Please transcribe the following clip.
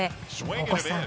大越さん